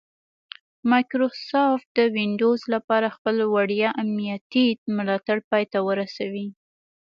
مایکروسافټ د ونډوز لپاره خپل وړیا امنیتي ملاتړ پای ته ورسوي